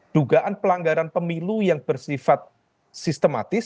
dugaan pelanggaran pemilu yang bersifat sistematis